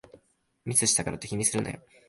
ミスしたからって気にするなよ